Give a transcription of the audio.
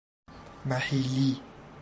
محیلی